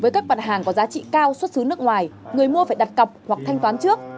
với các mặt hàng có giá trị cao xuất xứ nước ngoài người mua phải đặt cọc hoặc thanh toán trước